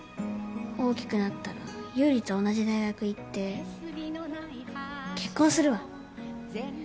大きくなったら優里と同じ大学行って結婚するわ。